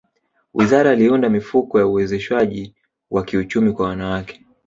wizara liunda mifuko ya uwezeshwaji wa kiuchumi kwa wanawake